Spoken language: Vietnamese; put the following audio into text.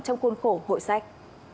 trong khuôn khổ hội sách